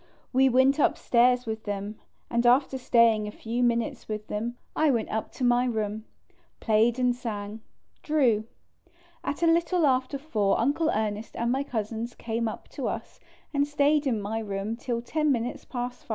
We went upstairs with them, and after staying a few minutes with them, I went up to my room. Played and sang. Drew. At a little after 4 Uncle Ernest and my Cousins came up to us and stayed in my room till 10 minutes past 5.